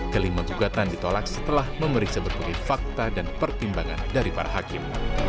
kelima gugatan ditolak setelah memeriksa berbagai fakta dan pertimbangan dari para hakim